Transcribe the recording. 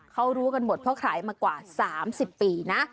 เขารู้กันหมดเพราะขายมากว่า๓๐ปีนะ